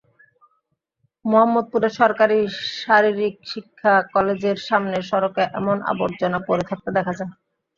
মোহাম্মদপুরে সরকারি শারীরিক শিক্ষা কলেজের সামনের সড়কে এমন আবর্জনা পড়ে থাকতে দেখা যায়।